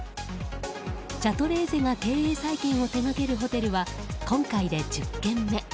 シャトレーゼが経営再建を手掛けるホテルは今回で１０軒目。